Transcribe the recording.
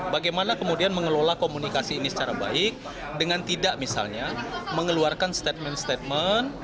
bagaimana kemudian mengelola komunikasi ini secara baik dengan tidak misalnya mengeluarkan statement statement